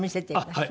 はい。